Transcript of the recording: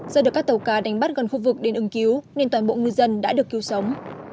do được các tàu cá đánh bắt gần khu vực đến ưng cứu nên toàn bộ ngư dân đã được cứu sống